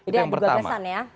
itu yang pertama